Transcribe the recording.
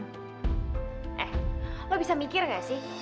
eh lo bisa mikir gak sih